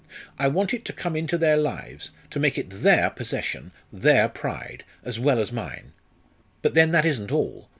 I want it to come into their lives to make it their possession, their pride, as well as mine. But then that isn't all.